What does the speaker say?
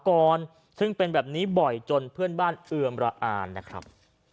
ก่อนซึ่งเป็นแบบนี้บ่อยจนเพื่อนบ้านเอือมระอานนะครับ